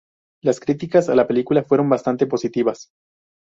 Las críticas a la película fueron bastante positivas.